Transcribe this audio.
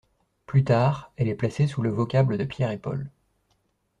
Plus tard, elle est placée sous le vocable de Pierre et Paul.